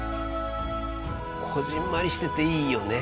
こぢんまりしてていいよね。